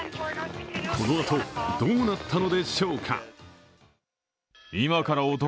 このあと、どうなったのでしょうか？